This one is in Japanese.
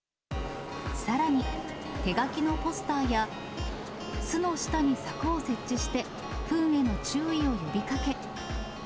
さらに、手書きのポスターや、巣の下に柵を設置して、ふんへの注意を呼びかけ。